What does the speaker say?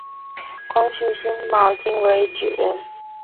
光绪辛卯年京闱举人。